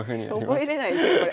覚えれないですこれ。